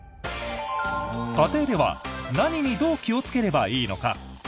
家庭では何にどう気をつければいいのか？